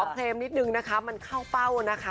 เคลมนิดนึงนะคะมันเข้าเป้านะคะ